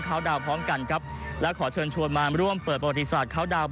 เขาดาวน์พร้อมกันครับและขอเชิญชวนมาร่วมเปิดประวัติศาสตร์เข้าดาวน